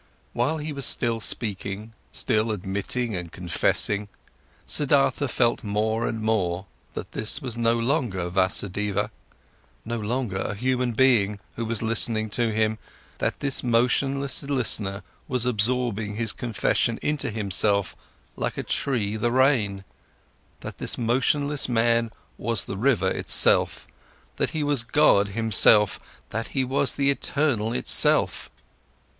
While he was still speaking, still admitting and confessing, Siddhartha felt more and more that this was no longer Vasudeva, no longer a human being who was listening to him, that this motionless listener was absorbing his confession into himself like a tree the rain, that this motionless man was the river itself, that he was God himself, that he was the eternal itself.